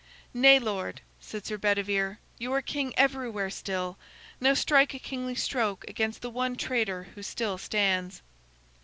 "Nay, lord," said Sir Bedivere. "You are king everywhere still. Now strike a kingly stroke against the one traitor who still stands."